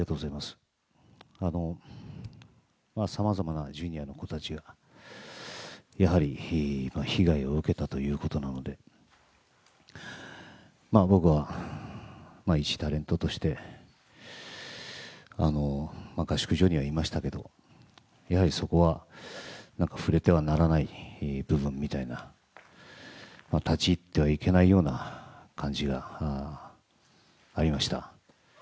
さまざまなジュニアの子たちが被害を受けたということなので僕は一タレントとして、合宿所にはいましたけれども、そこは触れてはならない部分みたいな立ち入ってはいけないような感じがありました